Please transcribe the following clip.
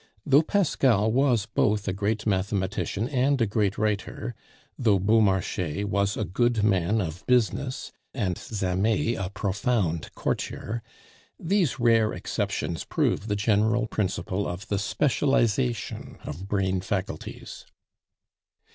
Though Pascal was both a great mathematician and a great writer, though Beaumarchais was a good man of business, and Zamet a profound courtier, these rare exceptions prove the general principle of the specialization of brain faculties.